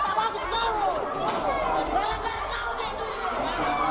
bapak bapak kita akan berusaha